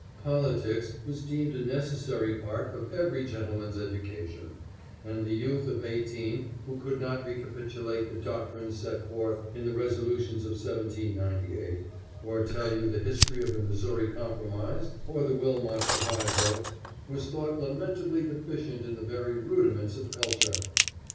Politics was deemed a necessary part of every gentleman's education, and the youth of eighteen who could not recapitulate the doctrines set forth in the resolutions of 1798, or tell you the history of the Missouri Compromise or the Wilmot Proviso, was thought lamentably deficient in the very rudiments of culture.